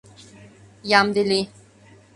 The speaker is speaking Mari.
Ямде лий